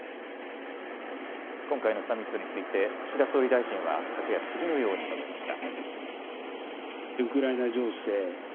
今回のサミットについて、岸田総理大臣は昨夜、次のように述べました。